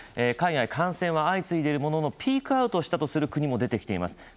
海外、感染は相次いでいるもののピークアウトしたとする国も出てきています。